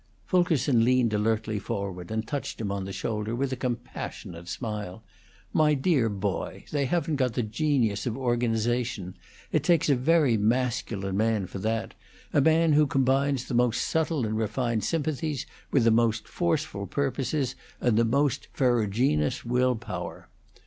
Fulkerson leaned alertly forward, and touched him on the shoulder, with a compassionate smile. "My dear boy, they haven't got the genius of organization. It takes a very masculine man for that a man who combines the most subtle and refined sympathies with the most forceful purposes and the most ferruginous will power.